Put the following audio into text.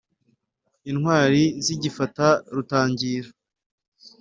Intwari zigifata Rutangira.